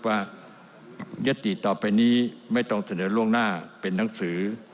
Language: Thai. ยัตติต่อไปนี้ไม่ต้องเสนอล่วงหน้าเป็นหนังสือ